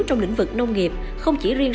trong lĩnh vực nông nghiệp không chỉ riêng